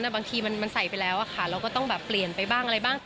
บางทีมันใส่ไปแล้วค่ะเราก็ต้องแบบเปลี่ยนไปบ้างอะไรบ้าง